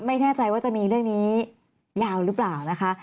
ไม่แน่ใจว่าจะมีเรื่องนี้ยาวหรือเปล่านะคะ